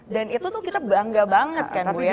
dan itu tuh kita bangga banget kan bu ya